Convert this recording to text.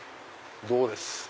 どうです？